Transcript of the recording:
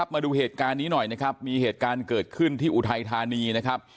มาดูเหตุการณ์นี้หน่อยนะครับมีเหตุการณ์เกิดขึ้นที่อุทัยธานีนะครับ